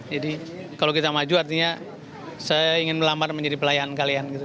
jadi kalau kita maju artinya saya ingin melamar menjadi pelayan kalian gitu